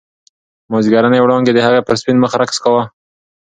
مازیګرنۍ وړانګې د هغې پر سپین مخ رقص کاوه.